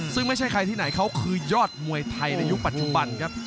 ซึ่งไม่ใช่ใครที่ไหนเขาคือยอดมวยไทยในยุคปัจจุบันครับ